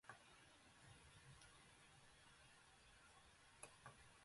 彼等はこんなことがよほどうれしかったのでしょう。大喜びで、はしゃぎまわり、私の胸の上で踊りだしました。